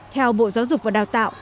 theo bộ giáo dục và đào tạo